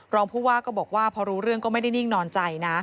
รองผู้ว่าก็บอกว่าพอรู้เรื่องก็ไม่ได้นิ่งนอนใจนะ